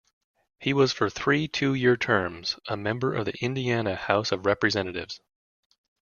He was for three two-year terms a member of the Indiana House of Representatives.